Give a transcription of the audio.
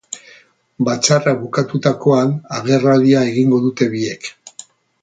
Batzarra bukatutakoan, agerraldia egingo dute biek.